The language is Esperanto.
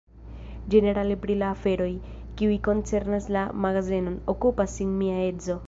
Ĝenerale pri la aferoj, kiuj koncernas la magazenon, okupas sin mia edzo.